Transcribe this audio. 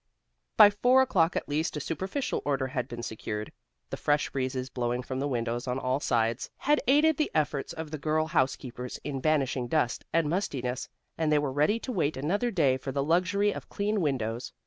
By four o'clock at least a superficial order had been secured. The fresh breezes blowing from the windows on all sides, had aided the efforts of the girl housekeepers in banishing dust and mustiness, and they were ready to wait another day for the luxury of clean windows.